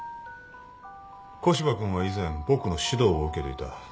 古芝君は以前僕の指導を受けていた。